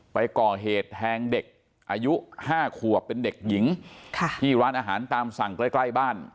ไปก่อเหตุแทงเด็กอายุ๕ขวบเป็นเด็กหญิงที่ร้านอาหารตามสั่งใกล้ใกล้บ้าน